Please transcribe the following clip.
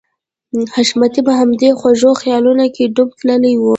حشمتي په همدې خوږو خيالونو کې ډوب تللی و.